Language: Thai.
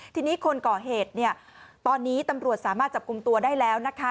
ทีนี้คนก่อเหตุเนี่ยตอนนี้ตำรวจสามารถจับกลุ่มตัวได้แล้วนะคะ